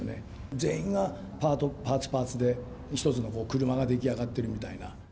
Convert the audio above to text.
全員がパート、パーツ、パーツで一つの車が出来上がってるみたいな。